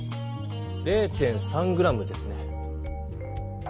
０．３ｇですね。